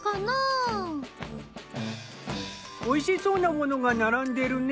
おいしそうなものが並んでるね。